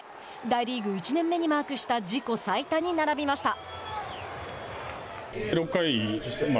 大リーグ１年目にマークした自己最多に並びました。